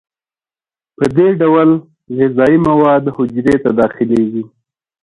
په دې ډول غذایي مواد حجرې ته داخلیږي.